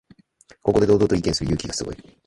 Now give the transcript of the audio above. ここで堂々と意見する勇気がすごい